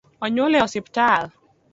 Onyuol e osiptal